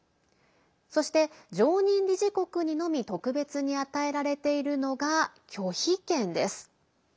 そして、常任理事国にのみ特別に与えられているのが拒否権です。